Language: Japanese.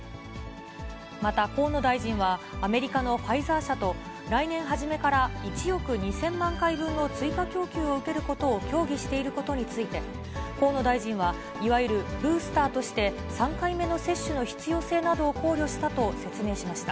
また河野大臣は、アメリカのファイザー社と、来年初めから１億２０００万回分の追加供給を受けることを協議していることについて、河野大臣は、いわゆるブースターとして、３回目の接種の必要性などを考慮したと説明しました。